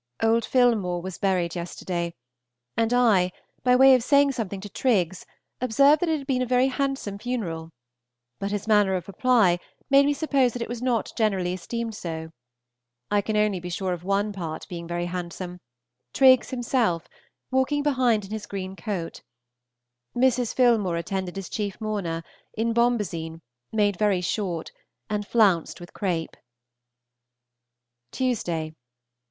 Old Philmore was buried yesterday, and I, by way of saying something to Triggs, observed that it had been a very handsome funeral; but his manner of reply made me suppose that it was not generally esteemed so. I can only be sure of one part being very handsome, Triggs himself, walking behind in his green coat. Mrs. Philmore attended as chief mourner, in bombazine, made very short, and flounced with crape. _Tuesday.